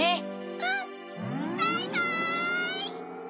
うん！バイバイ！